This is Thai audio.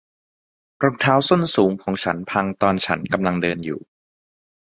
รองเท้าส้นสูงของฉันพังตอนฉันกำลังเดินอยู่